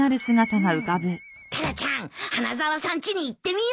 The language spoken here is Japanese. タラちゃん花沢さんちに行ってみよう！